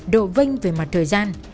độ vinh về mặt thời gian